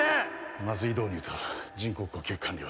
麻酔導入と人工呼吸管理は